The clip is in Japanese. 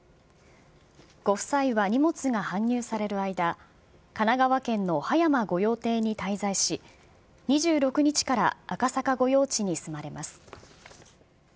ご夫妻は荷物は搬入される間、神奈川県の葉山御用邸に滞在し、２６日から赤坂御用地に住まれます。